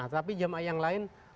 tapi jamaah yang lain